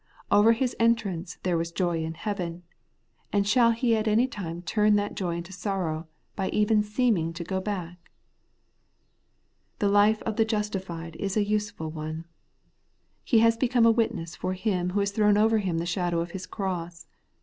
Over his en trance there was joy in heaven ; and shall he at any time turn that joy into sorrow by even seeming to go back ? The life of the justified is a useful one. He has become a witness for Him who has thrown over him the shadow of His cross.